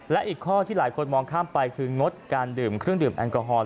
และอีกข้อที่หลายคนมองข้ามไปคืองดการดื่มเครื่องดื่มแอลกอฮอล